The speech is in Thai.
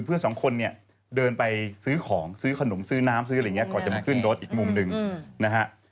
เพื่อนสองคนเนี่ยเดินไปซื้อของซื้อขนมซื้อน้ำซื้ออะไรอย่างนี้ก่อนจะมาขึ้นรถอีกมุมหนึ่งนะฮะ